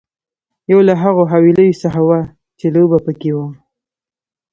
یو له هغو حويليو څخه وه چې لوبه پکې وه.